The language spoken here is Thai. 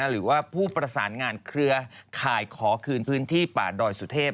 หรือว่าผู้ประสานงานเครือข่ายขอคืนพื้นที่ป่าดอยสุเทพ